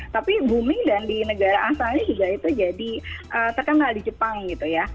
tapi booming dan di negara asalnya juga itu jadi terkenal di jepang gitu ya